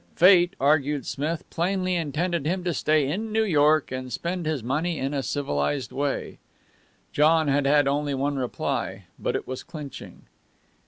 Fate, argued Smith, plainly intended him to stay in New York and spend his money in a civilized way. John had had only one reply, but it was clinching.